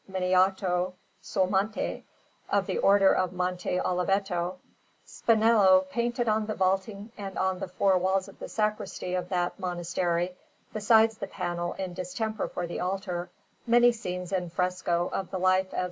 Miniato sul Monte, of the Order of Monte Oliveto, Spinello painted on the vaulting and on the four walls of the sacristy of that monastery, besides the panel in distemper for the altar, many scenes in fresco of the life of S.